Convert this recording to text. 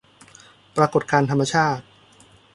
ปรากฎการณ์ธรรมชาติ